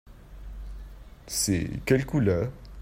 C'est quelle couleur ?